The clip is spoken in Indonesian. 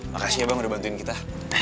makasih ya bang udah bantuin kita